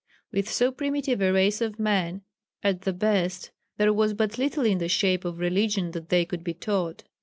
] With so primitive a race of men, at the best, there was but little in the shape of religion that they could be taught.